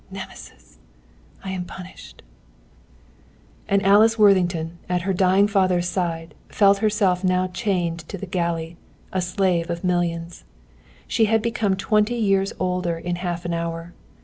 Nemesis! I am punished!" And Alice Worthington, at her dying father's side, felt herself now chained to the galley, a slave of millions. She had become twenty years older in half an hour.